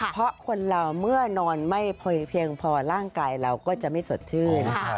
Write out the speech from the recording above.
เพราะคนเราเมื่อนอนไม่เพียงพอร่างกายเราก็จะไม่สดชื่น